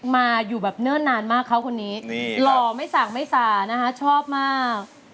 มาอยู่แบบเนิ่นนานมากเขาคนนี้หล่อไม่สั่งไม่สานะคะชอบมาก